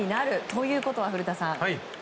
ということは古田さん。